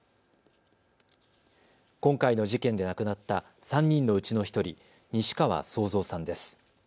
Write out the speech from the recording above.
今回の事件で亡くなった３人のうちの１人、西川惣藏さんです。